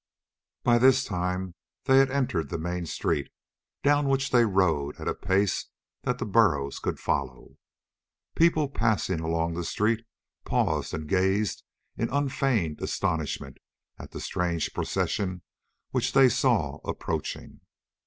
By this time they had entered the main street, down which they rode at a pace that the burros could follow. People passing along the street paused and gazed in unfeigned astonishment at the strange procession which they saw approaching.